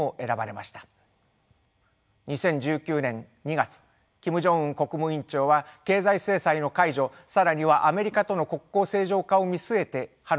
２０１９年２月キム・ジョンウン国務委員長は経済制裁の解除更にはアメリカとの国交正常化を見据えてハノイに赴きました。